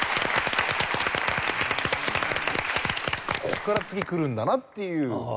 ここから次くるんだなっていう。